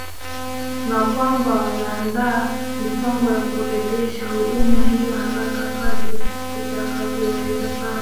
na kwamba wanaandaa mpango wa kurejesha huduma hiyo haraka kadri itakavyowezekana